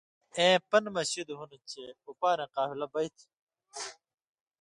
آں پن٘دہۡ مہ شِدیۡ ہُوۡن٘دوۡ چےۡ اُپارَیں قافلہ بئ تھی۔